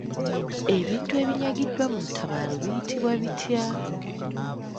Ebintu ebinyagiddwa mu lutabaalo biyitibwa bitya?